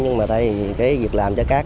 nhưng mà đây cái việc làm cho cát